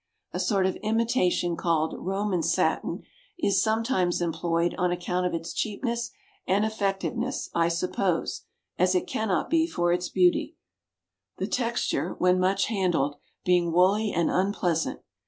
A sort of imitation called "Roman satin" is sometimes employed on account of its cheapness and effectiveness, I suppose, as it cannot be for its beauty; the texture, when much handled, being woolly and unpleasant.